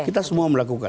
kita semua melakukan